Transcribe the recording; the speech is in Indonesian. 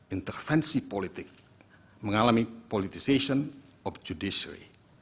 intervensi politik mengalami politisasi of judiciary